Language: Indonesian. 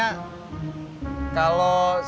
kalau sewaording lu jualan lu apa